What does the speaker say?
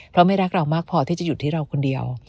เพราะไม่รักเรามากพอที่จะหยุดที่เราคนเดียว